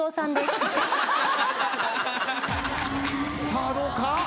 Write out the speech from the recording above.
さあどうか？